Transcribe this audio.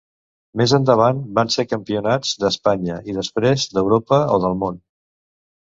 Més endavant, van ser campionats d'Espanya i després d'Europa o del Món.